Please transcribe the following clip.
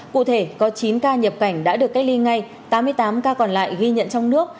cụ thể có chín ca nhập cảnh đã được cách ly ngay tám mươi tám ca còn lại ghi nhận trong nước